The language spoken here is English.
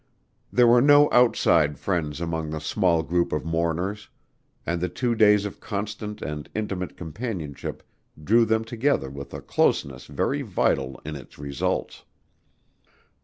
There were no outside friends among the small group of mourners, and the two days of constant and intimate companionship drew them together with a closeness very vital in its results.